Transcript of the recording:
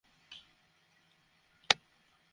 আবার বছর কয়েক আগে জমি নিয়ে ভাইয়ের সঙ্গে তাঁর বিরোধ হয়েছিল।